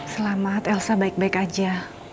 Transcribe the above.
selamat elsa baik baik aja